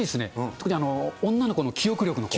特に女の子の記憶力。